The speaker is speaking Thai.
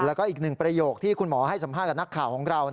แล้วก็อีกหนึ่งประโยคที่คุณหมอให้สัมภาษณ์กับนักข่าวของเรา